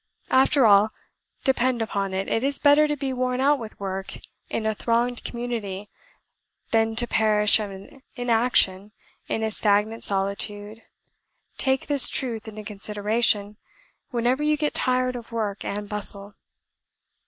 After all, depend upon it, it is better to be worn out with work in a thronged community, than to perish of inaction in a stagnant solitude: take this truth into consideration whenever you get tired of work and bustle."